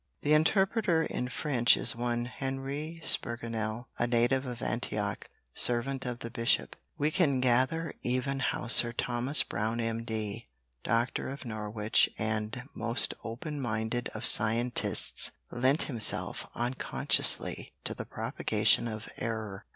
The interpreter in French is one Henri Spigurnel a native of Antioch, servant of the bishop. We can gather even how Sir Thomas Brown M. D., doctor of Norwich and most open minded of scientists, lent himself, unconsciously, to the propagation of error.